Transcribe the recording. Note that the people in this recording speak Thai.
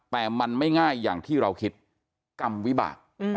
แต่มันไม่ง่ายอย่างที่เราคิดกรรมวิบาก